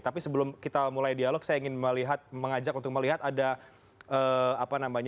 tapi sebelum kita mulai dialog saya ingin mengajak untuk melihat ada pertanyaan